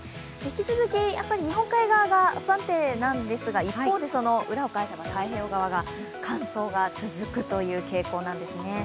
引き続き日本海側が不安定なんですが、一方で裏を返すと太平洋側が乾燥が続くという傾向なんですね。